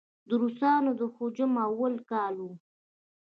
د روسانو د هجوم اول کال و.